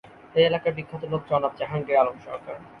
এই এলাকার বিখ্যাত লোক জনাব, জাহাঙ্গীর আলম সরকার।